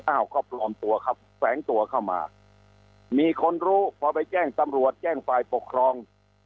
อ้าวก็ปลอมตัวครับแฝงตัวเข้ามามีคนรู้พอไปแจ้งตำรวจแจ้งฝ่ายปกครอง